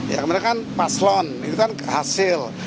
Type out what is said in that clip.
ya mereka kan paslon ini kan hasil